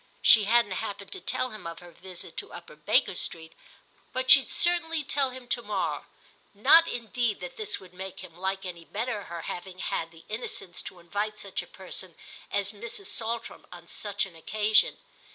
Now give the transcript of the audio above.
She hadn't happened to tell him of her visit to Upper Baker Street, but she'd certainly tell him to morrow; not indeed that this would make him like any better her having had the innocence to invite such a person as Mrs. Saltram on such an occasion.